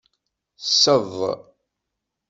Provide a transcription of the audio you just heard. Sseḍ.